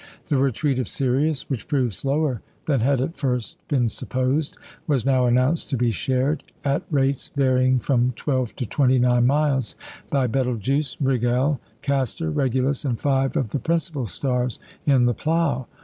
The retreat of Sirius, which proved slower than had at first been supposed, was now announced to be shared, at rates varying from twelve to twenty nine miles, by Betelgeux, Rigel, Castor, Regulus, and five of the principal stars in the Plough.